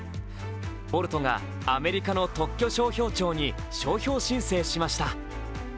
ボルトがアメリカの特許商標庁に商標申請をしました。